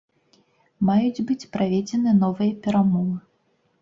Маюць быць праведзеныя новыя перамовы.